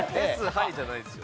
はい」じゃないですよ。